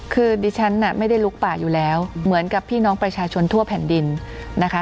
คือดิฉันน่ะไม่ได้ลุกป่าอยู่แล้วเหมือนกับพี่น้องประชาชนทั่วแผ่นดินนะคะ